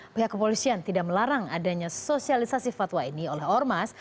pihak kepolisian tidak melarang adanya sosialisasi fatwa ini oleh ormas